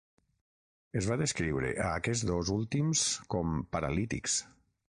Es va descriure a aquests dos últims com "paralítics".